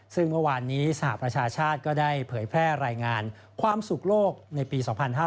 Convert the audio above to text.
ซึ่งเมื่อวานนี้สหประชาชาติก็ได้เผยแพร่รายงานความสุขโลกในปี๒๕๕๙